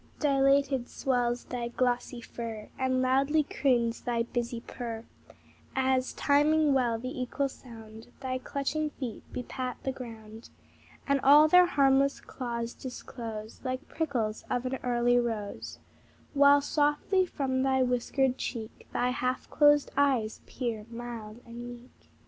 Dilated swells thy glossy fur, And loudly croons thy busy purr, As, timing well the equal sound, Thy clutching feet bepat the ground, And all their harmless claws disclose Like prickles of an early rose, While softly from thy whiskered cheek Thy half closed eyes peer, mild and meek.